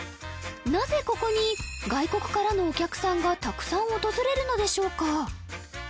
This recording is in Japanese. なぜここに外国からのお客さんがたくさん訪れるのでしょうか？